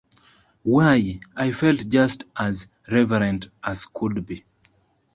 Why, I felt just as reverent as could be.